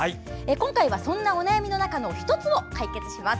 今回はそんなお悩みの中の１つを解決します。